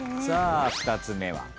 さあ２つ目は？